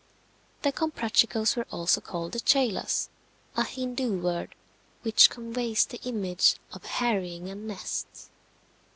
The Comprachicos were also called the Cheylas, a Hindu word, which conveys the image of harrying a nest.